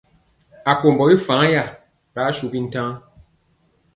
Akombɔ i faŋ ya ri ashu bintaŋa.